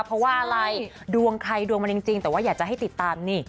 เพราะว่าอะไรดวงใครดวงมันจริงแต่ว่าอยากจะให้ติดตามนี่